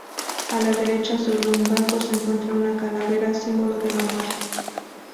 A la derecha, sobre un banco, se encuentra una calavera, símbolo de la muerte.